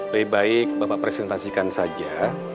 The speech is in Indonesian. lebih baik bapak presentasikan saja